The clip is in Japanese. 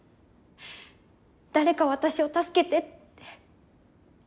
誰か私を助けてって。